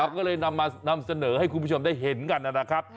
เราก็เลยนำเสนอให้คุณผู้ชมได้เห็นกันน่ะนะครับ